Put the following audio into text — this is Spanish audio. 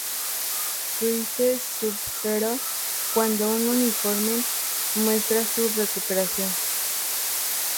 Freeze: Subzero", cuando un informe muestra su recuperación.